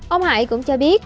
ông hải cũng cho biết